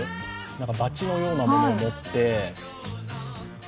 バチのようなものを持って。